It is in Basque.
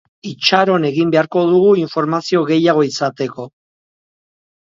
Itxaron egin beharko dugu informazio gehiago izateko.